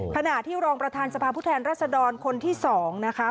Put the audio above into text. ขณะที่รองประธานสภาพผู้แทนรัศดรคนที่๒นะคะ